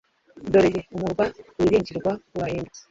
dore ye, umurwa wiringirwaga urahindutse